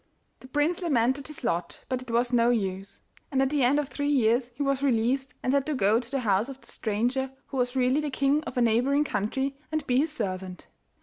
The prince lamented his lot, but it was no use; and at the end of three years he was released and had to go to the house of the stranger, who was really the king of a neighbouring country, and be his servant.